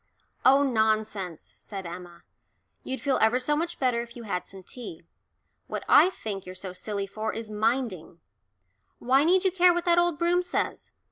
"Oh, nonsense," said Emma. "You'd feel ever so much better if you had some tea. What I think you're so silly for is minding why need you care what that old Broom says?